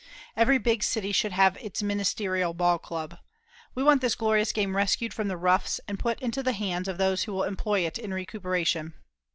Every big city should have its ministerial ball club. We want this glorious game rescued from the roughs and put into the hands of those who will employ it in recuperation.